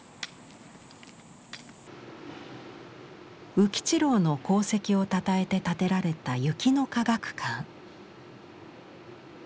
宇吉郎の功績をたたえて建てられた雪の科学館。